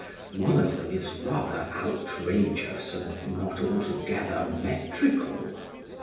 One of them is rather outrageous, and not altogether metrical.